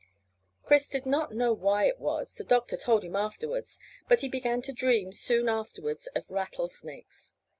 Chris did not know why it was the doctor told him afterwards but he began to dream soon afterwards of rattlesnakes.